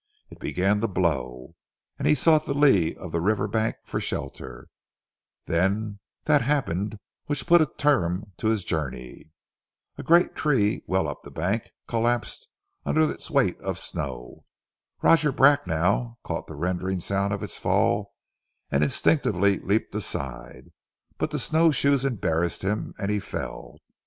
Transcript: It began to blow, and he sought the lee of the river bank for shelter, then that happened which put a term to his journey. A great tree, well up the bank, collapsed under its weight of snow. Roger Bracknell caught the rending sound of its fall and instinctively leaped aside, but the snowshoes embarrassed him and he fell.